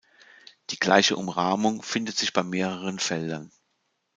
Die gleiche Umrahmung findet sich bei mehreren Feldern.